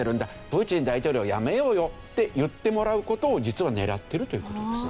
プーチン大統領やめようよって言ってもらう事を実は狙ってるという事です。